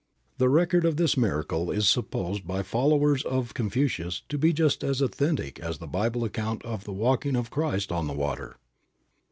The record of this miracle is supposed by followers of Confucius to be just as authentic as the Bible account of the walking of Christ on the water.